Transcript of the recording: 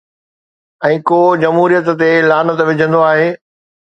۽ ڪو جمهوريت تي لعنت وجهندو آهي.